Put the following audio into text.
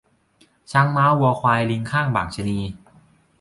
ช้างม้าวัวควาย ลิงค่างบ่างชะนี